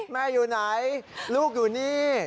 แม่อยู่ไหนลูกอยู่นี่